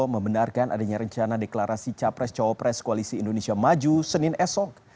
membenarkan adanya rencana deklarasi capres cawapres koalisi indonesia maju senin esok